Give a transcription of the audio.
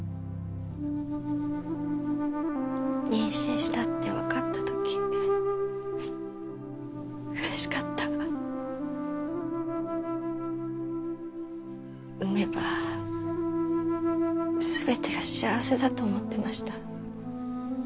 妊娠したって分かったときうれしかった産めばすべてが幸せだと思ってました